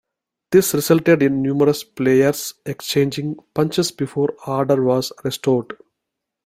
This resulted in numerous players exchanging punches before order was restored.